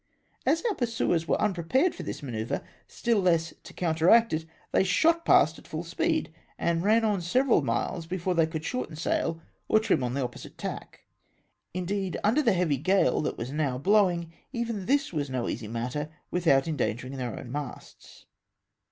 As our pursuers were unprepared for this manoeuvre, still less to counteract it, they shot past at full speed, and ran on several miles before they could shorten sail, or trim on the opposite tack. Indeed, under the heavy gale that was now blowing, even this was no easy matter, without endangermg their own masts.